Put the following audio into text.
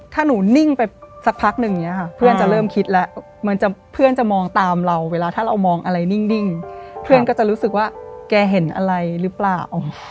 ถ้าหนูนิ่งไปสักพักนึงอย่างนี้ค่ะเพื่อนจะเริ่มคิดแล้วเพื่อนจะมองตามเราเวลาถ้าเรามองอะไรนิ่งเพื่อนก็จะรู้สึกว่าแกเห็นอะไรหรือเปล่า